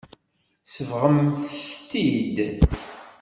Tsebɣemt-t-id.